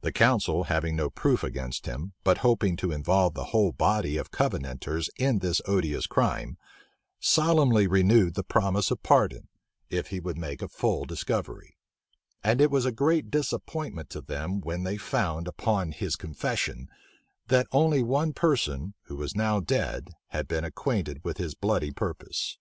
The council, having no proof against him, but hoping to involve the whole body of Covenanters in this odious crime, solemnly renewed the promise of pardon, if he would make a full discovery; and it was a great disappointment to them, when they found, upon his confession, that only one person, who was now dead, had been acquainted with his bloody purpose.